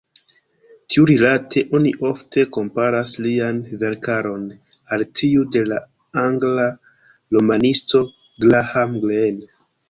Tiurilate oni ofte komparas lian verkaron al tiu de la angla romanisto Graham Greene.